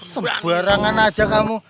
sebarangan aja kamu